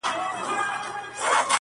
چي یو زه وای یوه ته وای-